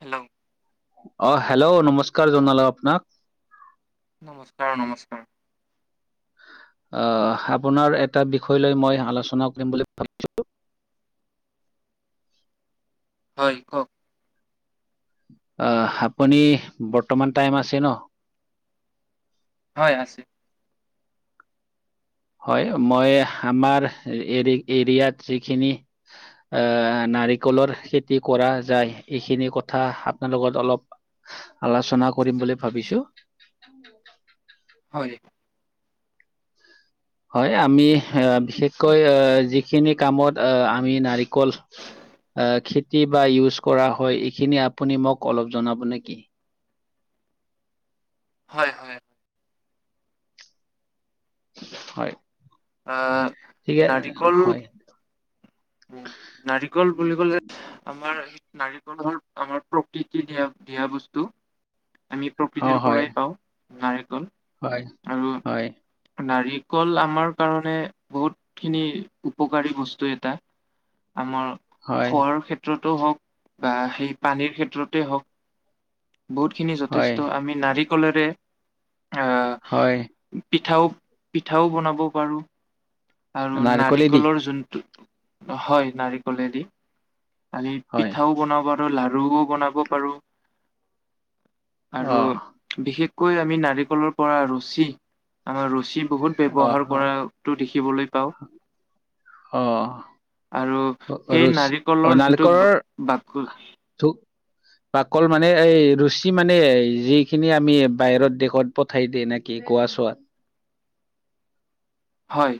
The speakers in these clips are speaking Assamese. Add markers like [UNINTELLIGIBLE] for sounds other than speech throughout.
হেল্ল'। অ' হেল্ল' নমস্কাৰ জনালো আপোনাক। নমস্কাৰ নমস্কাৰ। অ', আপোনাৰ এটা বিষয় লৈ মই আলোচনা কৰি বুলি ভাবিছোঁ। হয় কওক। অ', আপুনি বৰ্তমান টাইম আছে ন? হয় আছে। হয় মই আমাৰ এৰি এৰিয়াত যিখিনি আহ নাৰিকলৰ খেতি কৰা যায় এইখিনি কথা আপোনাৰ লগত অলপ আলোচনা কৰিম বুলি ভাবিছো। হয়। হয় আমি আহ বিশেষকৈ আহ যিখিনি কামত আহ আমি নাৰিকল অ', খেতি বা ইউজ কৰা হয় এইখিনি আপুনি মোক অলপ জনাব নেকি। হয় হয়। হয়। অ' ঠিকে হয়। উম, নাৰিকল বুলি কলে আমাৰ নাৰিকলৰ আমাৰ প্ৰকৃতি দিয়া দিয়া বস্তু। আমি অ প্ৰকৃতিৰ হয় পৰাই পাওঁ নাৰিকল হয়, হয়, আৰু নাৰিকল আমাৰ কাৰণে বহুতখিনি উপকাৰী বস্তু এটা। আমাৰ হয়, খোৱাৰ ক্ষেত্ৰতো হওক বা সেই পানীৰ ক্ষেত্ৰতে হওক। বহুতখিনি হয়, যথেষ্ট আমি নাৰিকলেৰে আঁ হয়। পিঠাও পিঠাও বনাব পাৰো। আৰু নাৰিকলেদি নাৰিকলৰ যোনটো হয় নাৰিকলেদি। আমি হয়। পিঠাও বনাব পাৰো লাৰুও বনাব পাৰো। আৰু অ', বিশেষকৈ আমি নাৰিকলৰ পৰা ৰছী আমাৰ ৰছী বহুত অ', ব্যৱহাৰ অ', কৰাটো দেখিবলৈ পাওঁ। অ', আৰু সেই ৰুচি নাৰিকলৰ যোনটো নাৰিকলৰ বাক বাকল মানে এই ৰছী মানে যিখিনি আমি বাহিৰত দেশত পঠাই দিয়ে নে কি গোৱা চোৱাত। হয়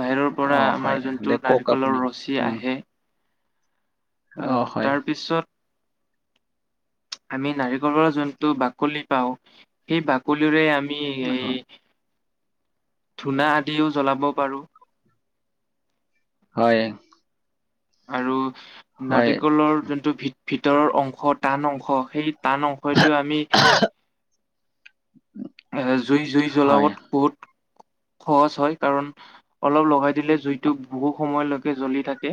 বাহিৰৰ পৰা অ', হয় আমাৰ দে যোনটো কওক আপুনি নাৰিকলৰ ৰছী উম, আহে। অ', হয়, তাৰপিছত আমি নাৰিকলৰ জন্তু বাকলি পাওঁ। সেই বাকলিৰে আমি হয়, এই ধূনা আদিও জ্বলাব পাৰো। হয়। আৰু হয়, নাৰিকলৰ যোনটো ভিতৰৰ অংশ টান অংশ সেই তান অংশই দিও আমি এ জুই জুই হয়, জ্বলাবত বহুত সহজ হয় কাৰণ অলপ লগাই দিলে জুইটো বহু সময়লৈকে জ্বলি থাকে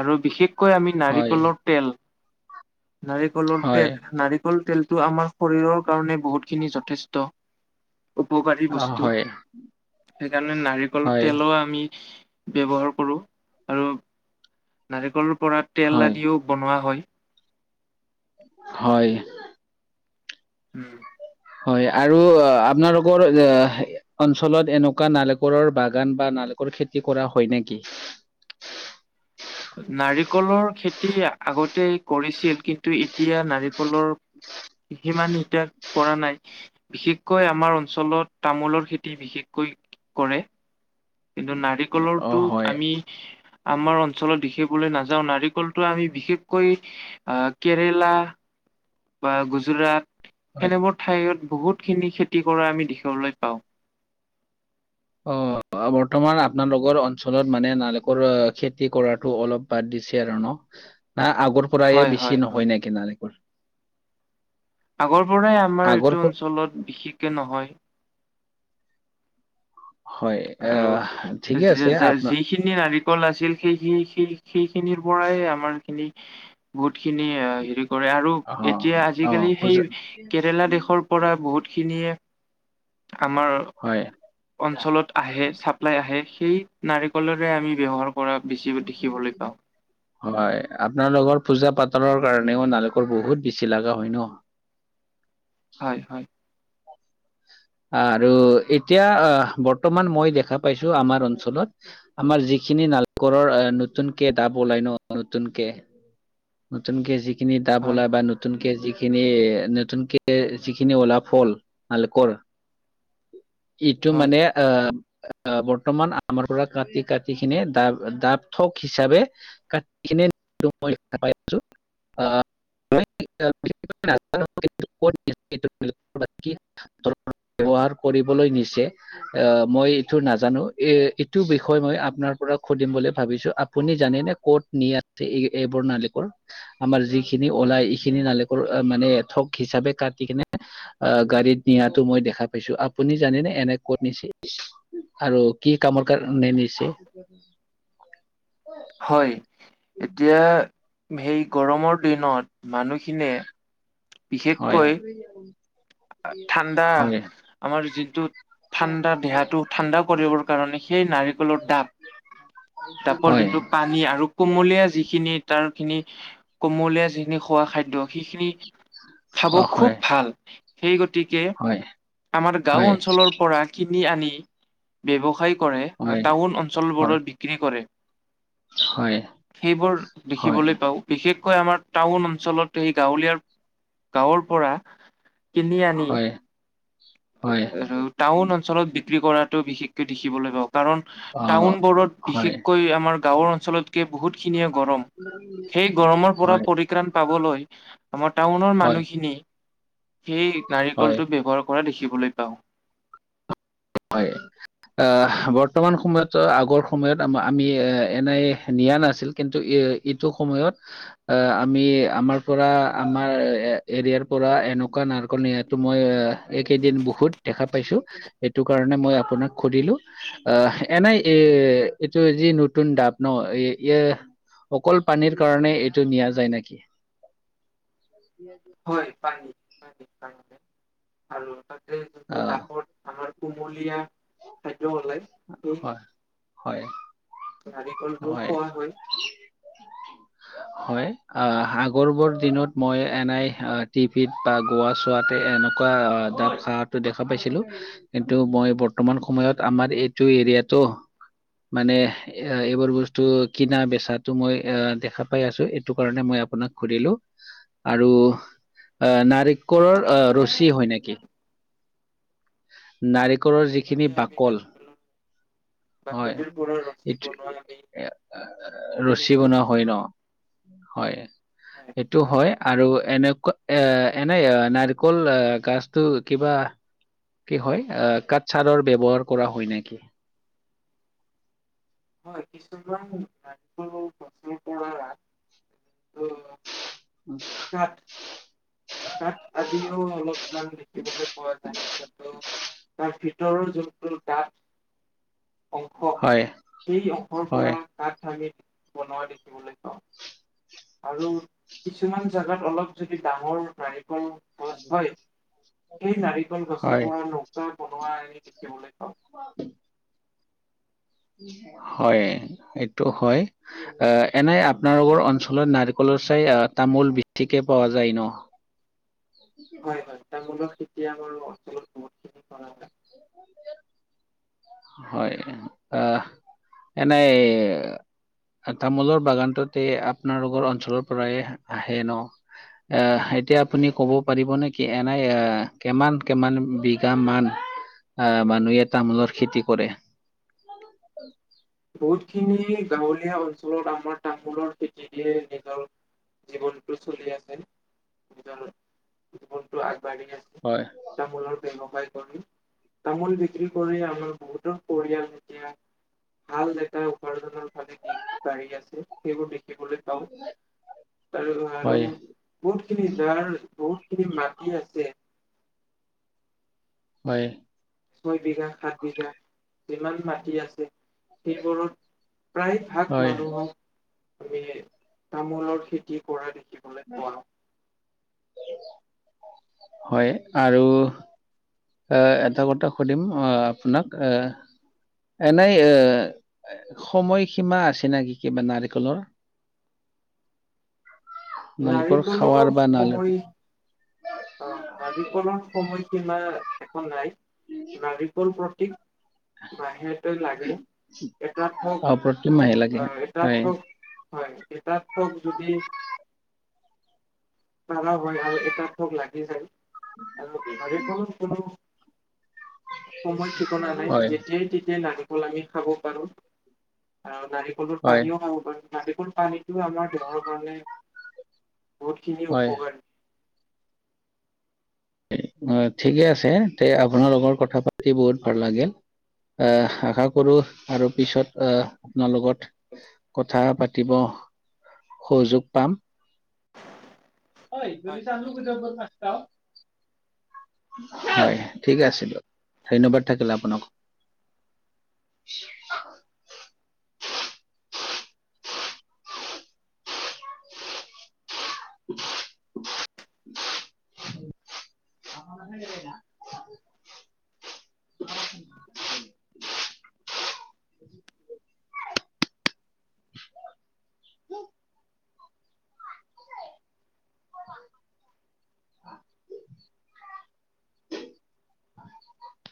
আৰু বিশেষ কৈ আমি হয়, নাৰিকলৰ তেল নাৰিকলৰ তেল নাৰিক ল তেলটো আমাৰ শৰীৰৰ কাৰণে বহুতখিনি যথেষ্ট উপকাৰী অ', বস্তু হয়, সেইকাৰণে নাৰিকলৰ হয়, তেলো আমি ব্যৱহাৰ কৰোঁ আৰু নাৰিকলৰ পৰা তেল হয়, আদিও বনোৱা হয়। হয়। উম। হয় আৰু আপোনালোকৰ এ অঞ্চলত এনেকুৱা নাৰিকলৰ বাগান বা নাৰিকলৰ খেতি কৰা হয় নেকি? নাৰিকলৰ খেতি আগতে কৰিছিল। কিন্তু এতিয়া নাৰিকলৰ সিমান এতিয়া কৰা নাই। বিশেষকৈ আমাৰ অঞ্চলত তামোলৰ খেতি বিশেষকৈ কৰে। কিন্তু অ' নাৰিকলৰটো হয় আমি আমাৰ অঞ্চল অঞ্চলত দেখিবলৈ নাযাওঁ, নাৰিকলটো আমি বিশেষকৈ অহ, কেৰেলা বা গুজৰাট হয় সেনেবোৰ ঠাইত বহুতখিনি খেতি কৰা আমি দেখিবলৈ পাওঁ। অহ। অহ, বৰ্তমান আপোনালোকৰ অঞ্চলত মানে নাৰিকৰ খেতি কৰাতো অলপ বাদ দিছে আৰু ন'। না আগৰ পৰায়ে হয় বেছি হয় হয় নহয় নেকি নাৰিকল। আগৰ পৰাই আমাৰ আগৰ এইটো প অঞ্চলত বিশেষকে নহয়। হয় আৰু অহ, ঠিকে যি- আছে আপ যা- যিখিনি নাৰিকল আছিল সেই-সেই-সেই-সেইখিনৰ পৰাই আমাৰখিনি বহুতখিনি হেৰি কৰে আৰু অ' এতিয়া অ' আজিকালি সেই পূজা কেৰেলা দেশৰ পৰা বহুতখিনিয়ে আমাৰ হয় অঞ্চলত আহে চাপ্লাই আহে সেই নাৰিকলৰে আমি ব্যৱহাৰ কৰা বেছি। দেখিবলৈ পাওঁ [UNINTELLIGIBLE] হয়, আপোনালোকৰ পূজা পাতলৰ কাৰণেও নাৰিকল বহুত বেছি লগা হয় ন'। হয়, হয়। আৰু এতিয়া অহ, বৰ্তমান মই দেখা পাইছোঁ আমাৰ অঞ্চলত আমাৰ যিখিনি নাৰিকলৰ নতুনকে ডাব ওলাই ন' নতুনকে। নতুনকে যিখিনি ডাব হয় ওলাই বা নতু নতুনকে যিখিনি, নতুনকে যিখিনি ওলোৱা ফল নাৰিকল। এইটো হয় মানে অহ, বৰ্তমান আমাৰ পৰা কাটি-কাটিখিনি ড-ডাব থক হিচাপে [UNINTELLIGIBLE] আছোঁ। অহ [UNINTELLIGIBLE] [UNINTELLIGIBLE] ব্যৱহাৰ কৰিবলৈ নিছে। অহ, মই এইটো নাজানোঁ এ-এইটো বিষয়ে মই আপোনাৰ পৰা সুধিম বুলি ভাবিছোঁ, আপুনি জানেনে? ক'ত নি‌ আছে এইবোৰ নাৰিকল? আমাৰ যিখিনি ওলাই এইখিনি নাৰিকল মানে ঠগ হিচাপে কাটি কিনে অহ, গাড়ীত নিয়াতো মই দেখা পাইছোঁ, আপুনি জানেনে এনেই ক'ত নিছি? আৰু কি কামৰ কাৰণে নিছি? হয়, এতিয়া সেই গৰমৰ দিনত মানুহখিনিয়ে হয়। বিশেষকৈ ঠাণ্ডা, হয় আমাৰ যিটো ঠাণ্ডা দেহাটো ঠাণ্ডা কৰিবৰ কাৰণে সেই নাৰিকলৰ ডাব ডাবৰ হয় যোনটো পানী আৰু কুমলীয়া যিখিনিত তাৰখিনি, কুমলীয়া যিখিনি খোৱা খাদ্য [UNINTELLIGIBLE] খিনি খাব অ হয় খুব ভাল। সেই গতিকে, হয় আমাৰ গাঁও হয় অঞ্চলৰ পৰা কিনি আনি ব্যৱসায় কৰে, হয় টাউন হয় অঞ্চলবোৰত বিক্ৰী কৰে। হয় সেইবোৰ হয় দেখিবলৈ পাওঁ। বিশেষকৈ আমাৰ টাউন অঞ্চলত সেই গাঁৱলীয়াৰ গাঁৱৰ পৰা কিনি আনি হয় আৰু হয় টাউন অঞ্চলত বিক্ৰী কৰাতটো বিশেষকে দেখিবলৈ পাওঁ। কাৰণ অ', টাউনবোৰত হয়। বিশেষকৈ আমাৰ গাঁওৰ অঞ্চলতকে বহুতখিনিয়ে গৰম। সেই গৰমৰ পৰা হয়, পৰিত্ৰাণ পাবলৈ আমাৰ টাউনৰ হয়, মানুহখিনি সেই হয়, নাৰিকলটো ব্যৱহাৰ কৰা দেখিবলৈ পাওঁ। হয়। বৰ্তমান সময়ত আগৰ সময়ত আ-আমি এনেই নিয়া নাছিল কিন্তু এইটো সময়ত অহ, আমি আমাৰ পৰা আমাৰ এৰিয়াৰ পৰা এনেকুৱা নাৰিকল নিয়া মই এইকেইদিন বহুত দেখা পাইছোঁ, সেইটো কাৰণে মই আপোনাক সুধিলোঁ। অহ, এনেই এ, এইটো যি নুতুন ডাপ, ন এ, এই অকল পানীৰ কাৰণে, এইটো নিয়া যায় নেকি? হয়, পানী পানী- [UNINTELLIGIBLE] অ, তাপত আমাৰ কুমলীয়া খাদ্যবোৰ ওলাই। সেই, হয়, হয়, নাৰিকলটো হয়। খোৱা হৈয়। [INAUDIBLE] [INAUDIBLE] হয়, অ, আগৰ বৰ দিনত মই এনেই, টিভিত বা গোৱা চোৱাতে এনেকুৱা এনেকুৱা দাপ চা টো দেখা পাইছিলো, কিন্তু মই বৰ্তমান সময়ত আমাৰ এই টো এৰিয়াটো মানে এই, এইবোৰ বস্তু কিনা বেচাটো, মই দেখা পাই আছো এইটো কাৰণে মই আপোনাক সুধিলো। আৰু অ, নাৰিকলৰ অ, ৰছী হয় নেকি? হয় হয় নাৰিকলৰ যি যিখিনি আমি বাকল। নাৰিকলৰ হয়, বাকলিৰ পৰা [UNINTELLIGIBLE] ৰছী এইটো বনোৱা আমি ৰছী শুনিছো বনোৱা হয় ন? হয়, হয় এইটো হয়। আৰু এনেকুৱা, এনে নাৰিকল গাছটো কিবা? কি হয়, আহ কঠ চাৰৰ ব্যৱহাৰ কৰা হয় নেকি? [UNINTELLIGIBLE] [INAUDIBLE] [INAUDIBLE] কাঠ আদিও অলপমান দেখিবলৈ পোৱা যায়, পিছতো তাৰ ভিতৰৰ জোখটো দাত অংশ, হয় সেই অংশৰ হয় পৰা দাত ভাঙি, বনোৱা দেখিবলৈ পাওঁ। আৰু কিছুমান জেগাত অলপ যদি ডাঙৰ, ৰাইফল [UNINTELLIGIBLE] সেই নাৰিকল গছৰ হয় পৰা নৌকা বনোৱা, এনে দেখিবলৈ পাওঁ। ফগ হয়, এইটো হয়। আহ, এনে আপোনালোকৰ অঞ্চলত নাৰিকলৰ চাই, তামোল বেছিকে পোৱা যায় ন? হয় হয়, তামোলৰ খেতি আমাৰ অঞ্চলত বহুতখিনি কৰা হয় হয়, আ, এনেই তামোলৰ বাগানটোত আপোনালোকৰ অঞ্চলৰ পৰাই আহে ন? এ, এতিয়া আপুনি ক'ব পাৰিব নেকি এনে, কিমান কিমান বিঘা মান আহ, মানুহে তামোলৰ খেতি কৰে? বহুতখিনি গাঁৱলীয়া অঞ্চলত আমাৰ তামোলৰ খেতি দিয়ে এডাল। জীৱনটো চলি আছে, নিজৰ জীৱনটো আগবাঢ়ি আছে। হয়। তামোলৰ ব্যৱসায় কৰি, তামোল বিক্ৰী কৰি আমাৰ বহুতৰ পৰিয়াল এতিয়া ভাল ডেকা উপাৰ্জনৰ ফালে, বাঢ়ি আছে। সেইবোৰ দেখিবলৈ পাওঁ, আৰু আৰু হয়, বহুত খিনি যাৰ, বহুত খিনি মাটি আছে। হয়। ছয় বিঘা, সাত বিঘা, যিমান মাটি আছে সেইবোৰত প্ৰায় ভাগ হয়, মানুহক, আমি তামোলৰ খেতি কৰা দেখিব হয়, আৰু এ, এটা কথা সুধিম আহ, আপোনাক এ এনেই এ সময় সীমা আছে নেকি, কিবা নাৰিকলৰ? নাৰিকল নাৰিকলৰ খাৱাৰ বা নাল অ' নাৰিকলৰ সময়সীমা একো নাই। নাৰিকল প্ৰতীক বাহিৰতে লাগে। এটা অ প্ৰতিমাহে লাগে ঠক আ হয়। এটা ঠক হয়, এটাত ঠক যদি পাৰা হয় আৰু এটাত থক লাগি যায় আৰু নাৰিকলৰ কোনো সময় ঠিকোনা নাই, হয়, যেতিয়াই তেতিয়াই নাৰি ফল আমি খাব পৰুৰ আৰু নাৰিকলৰ হয়, পানীও খাব পাৰোঁ। নাৰিকল পানীতো আমাৰ দেহৰ কাৰণে বহুতখিনি হয়, উপকাৰী। ঠিকে আছে, তে আপোনাৰ লগত কথা পাতি বহুত ভাল লাগিল। আহ, আশা কৰোঁ আৰু পিছত আহ, আপোনাৰ লগত কথা পাতিব সুযোগ পাম। ঐ, হয় ডলিচা ধন্যবাদ কদব নাত চাওঁ হয় ঠিকে আছে দিয়ক। ধন্যবাদ থাকিলে আপোনাকো। [INAUDIBLE] [INAUDIBLE] [UNINTELLIGIBLE] [UNINTELLIGIBLE] [INAUDIBLE]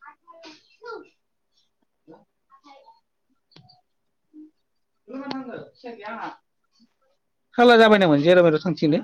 হেল্ল'। খাললা যাবাই নামান জৰাবাইটো থাথিনে